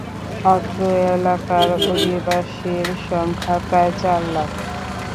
অত্র এলাকার অধিবাসীর সংখ্যা প্রায় চার লাখ।